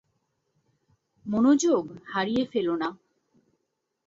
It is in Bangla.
মনোযোগ হারিয়ে ফেলো না।